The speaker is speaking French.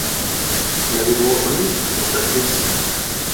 L’avez-vous reconnu, dans sa fuite ?